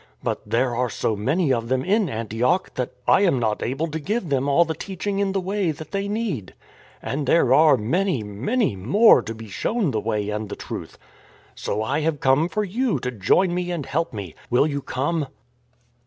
" But there are so many of them in Antioch that I am not able to give them all the teaching in the Way that they need. And there are many, many more to be shown the Way and the Truth. So I have come for you to join me and help me. Will you come?